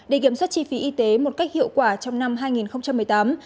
để kiểm soát chi phí y tế một cách hiệu quả trong năm hai nghìn một mươi tám